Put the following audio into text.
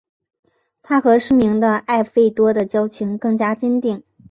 他和失明的艾费多的交情更加坚定。